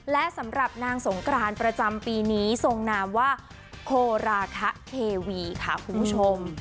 และสำหรับนางสงกรานประจำปีนี้ทรงนามว่าโคราคะเทวีค่ะคุณผู้ชม